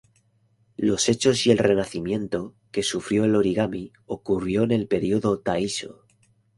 Los hechos y el renacimiento que sufrió el origami ocurrió en el Período Taisho.